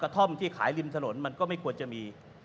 ท่อมที่ขายริมถนนมันก็ไม่ควรจะมี